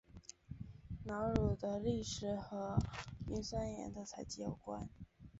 瑙鲁的历史和磷酸盐的采集有关。